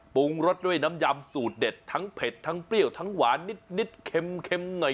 ปรุงรสด้วยน้ำยำสูตรเด็ดทั้งเผ็ดทั้งเปรี้ยวทั้งหวานนิดเค็มหน่อย